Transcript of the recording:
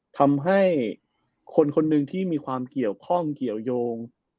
ทำให้คนคนหนึ่งที่มีความเกี่ยวข้องเกี่ยวยง